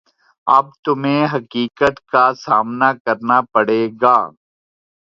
اب تمہیں حقیقت کا سامنا کرنا پڑے گا